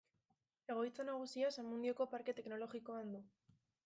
Egoitza nagusia Zamudioko parke teknologikoan du.